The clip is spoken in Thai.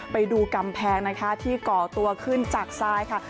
ไปดูกำแพงที่เกาะตัวกลับขึ้นจากทรายค่ะ